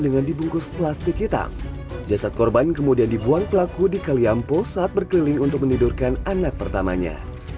dengan dibungkus plastik hitam jasad korban kemudian dibuang pelaku di kaliampo saat berkeliling untuk menidurkan anak pertamanya